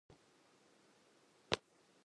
Subsequently, Yuchi killed Li Yuanji.